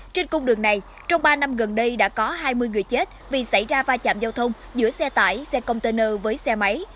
trên cung đường này trong ba năm gần đây đã có hai mươi người chết vì xảy ra va chạm giao thông giữa xe tải xe container với xe máy